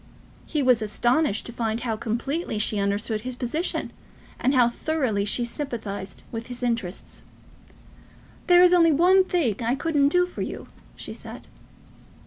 He was astonished to find how completely she understood his position, and how thoroughly she sympathised with his interests. "There is only one thing I couldn't do for you," she said.